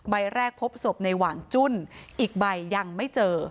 ใบแรกพบศพในหว่างจุ้นอีกใบยังไม่เจอ